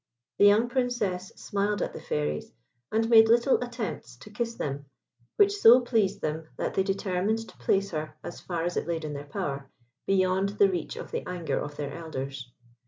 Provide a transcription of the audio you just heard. The young Princess smiled at the Fairies, and made little attempts to kiss them, which so pleased them that they determined to place her, as far as it laid in their power, beyond the reach of the anger of their Elders.